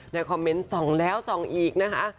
ในคอมเมนต์๒แล้ว๒อีกนะคะ